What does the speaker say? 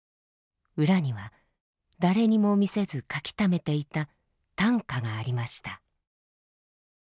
裏には誰にも見せず書きためていた短歌がありました。